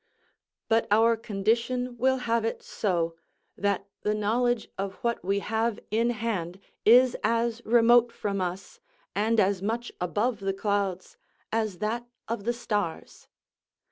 But our condition will have it so, that the knowledge of what we have in hand is as remote from us, and as much above the clouds, as that of the stars.